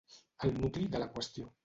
El nucli de la qüestió.